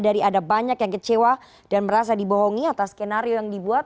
dari ada banyak yang kecewa dan merasa dibohongi atas skenario yang dibuat